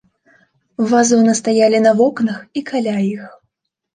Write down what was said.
Вазоны стаялі на вокнах і каля іх.